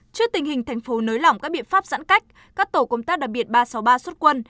trước tình hình thành phố nới lỏng các biện pháp giãn cách các tổ công tác đặc biệt ba trăm sáu mươi ba xuất quân